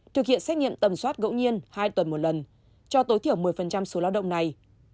thực hiện xét nghiệm tầm soát ngẫu nhiên hai tuần một lần cho tối thiểu một mươi số lao động này